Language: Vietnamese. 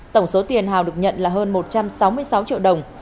tổng số tiền hào được nhận là hơn một trăm sáu mươi sáu triệu đồng